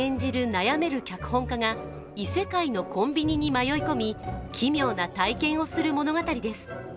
悩める脚本家が異世界のコンビニに迷い込み、奇妙な体験をする物語です。